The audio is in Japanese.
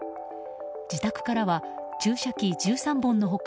自宅からは注射器１３本の他